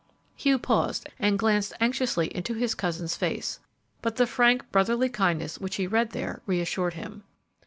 Hugh paused and glanced anxiously into his cousin's face, but the frank, brotherly kindness which he read there reassured him.